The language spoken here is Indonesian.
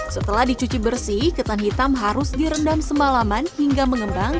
setelah dicuci bersih ketan hitam harus direndam semalaman hingga mengembang